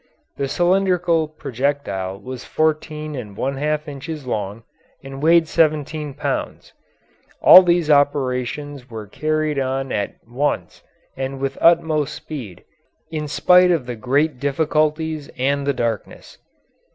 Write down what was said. The cylindrical projectile was fourteen and one half inches long and weighed seventeen pounds. All these operations were carried on at once and with utmost speed in spite of the great difficulties and the darkness.